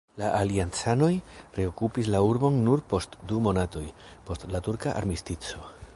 La aliancanoj reokupis la urbon nur post du monatoj, post la turka armistico.